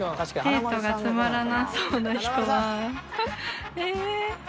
デートがつまらなそうな人はええ。